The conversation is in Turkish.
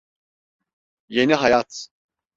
Yeni hayat…